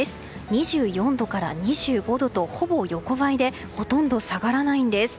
２４度から２５度とほぼ横ばいでほとんど下がらないんです。